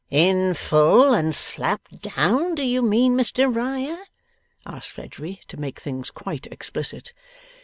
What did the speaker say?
'In full and slap down, do you mean, Mr Riah?' asked Fledgeby, to make things quite explicit.